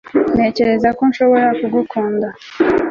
ntekereza ko nshobora gukundana